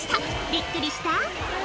びっくりした？